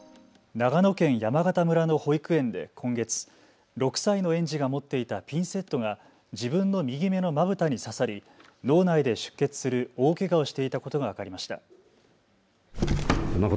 長野県山形村の保育園で今月、６歳の園児が持っていたピンセットが自分の右目のまぶたに刺さり脳内で出血する大けがをしていたことが分かりました。